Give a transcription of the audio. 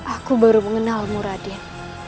aku baru mengenalmu raden